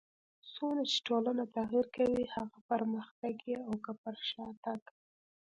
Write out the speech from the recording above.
څونه چي ټولنه تغير کوي؛ هغه که پرمختګ يي او که پر شاتګ.